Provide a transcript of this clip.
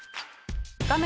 画面